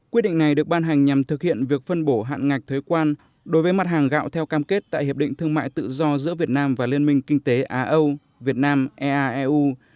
quyết định này được ban hành nhằm thực hiện việc phân bổ hạn ngạch thuế quan đối với mặt hàng gạo theo cam kết tại hiệp định thương mại tự do giữa việt nam và liên minh kinh tế á âu việt nam eaeu